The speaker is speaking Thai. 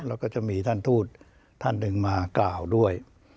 แล้วก็จะมีท่านทูตท่านหนึ่งมากล่าวด้วย